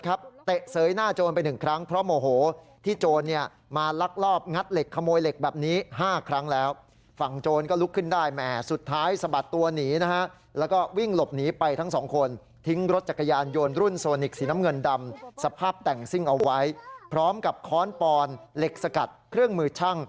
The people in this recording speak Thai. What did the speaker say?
เครื่องมือทำมาหากินเนี้ยถูกยึดไว้หมดนะฮะ